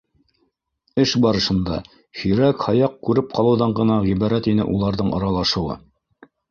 Эш барышында һирәк-һаяҡ күреп ҡалыуҙан ғына ғибәрәт ине уларҙың аралашыуы.